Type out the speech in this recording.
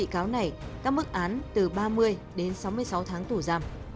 các mức án từ ba mươi đến sáu mươi sáu tháng tù giam